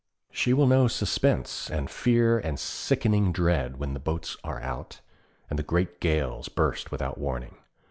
She will know suspense and fear and sickening dread when 'the boats are out,' and the great gales burst without warning.